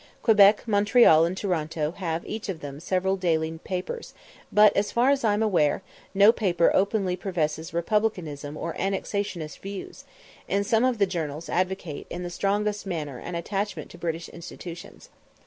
Quebec, Montreal, and Toronto have each of them several daily papers, but, as far as I am aware, no paper openly professes republican or annexationist views, and some of the journals advocate in the strongest manner an attachment to British institutions.